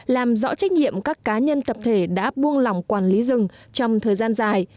làm rõ trách nhiệm các cá nhân tập thể đã buông lỏng quản lý rừng trong thời gian dài